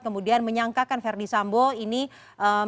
kemudian menyangkakan verdi sambo ini menjadi ongkir